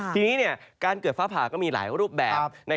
ทีนี้การเกิดฟ้าผ่าก็มีหลายรูปแบบ